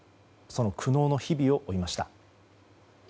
その苦悩の日々を追いました。